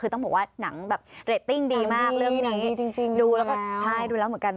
คือต้องบอกว่าหนังแบบเรตติ้งดีมากเรื่องนี้ดูแล้วก็ใช่ดูแล้วเหมือนกัน